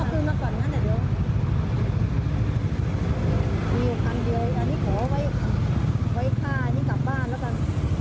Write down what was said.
มีหนุคันเดียวอันนี้ขอไว้ค่ากลับบ้านแล้วกัน